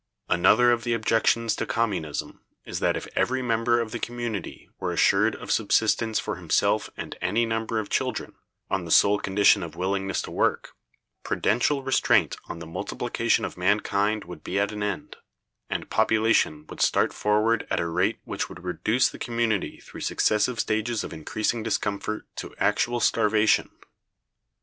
Another of the objections to Communism is that if every member of the community were assured of subsistence for himself and any number of children, on the sole condition of willingness to work, prudential restraint on the multiplication of mankind would be at an end, and population would start forward at a rate which would reduce the community through successive stages of increasing discomfort to actual starvation.